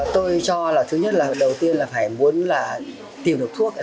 tôi cho là thứ nhất là đầu tiên là phải muốn là tìm được thuốc